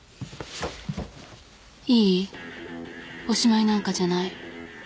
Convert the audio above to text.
おしまいなんかじゃない。